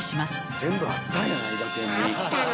全部あったんやな「いだてん」に。